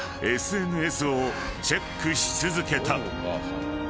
夜はＳＮＳをチェックし続けた］